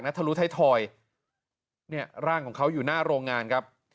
ทะลุท้ายทอยเนี่ยร่างของเขาอยู่หน้าโรงงานครับ